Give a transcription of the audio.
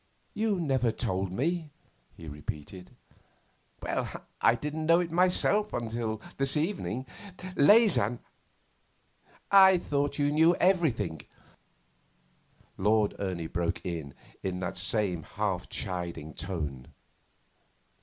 You never told me,' he repeated. 'I didn't know it myself until this evening. Leysin ' 'I thought you knew everything,' Lord Ernie broke in in that same half chiding tone.